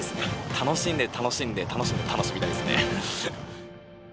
楽しんで、楽しんで、楽しんで、楽しみたいですね。